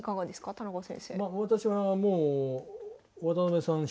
田中先生。